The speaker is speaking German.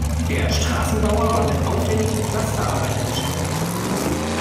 Der Straßenbauer war mit aufwendigen Pflasterarbeiten beschäftigt.